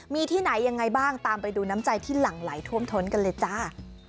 มีที่ไหนยังไงบ้างตามไปดูน้ำใจที่หลั่งไหลท่วมท้นกันเลยจ้า